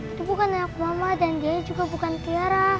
itu bukan anak mama dan dia juga bukan tiara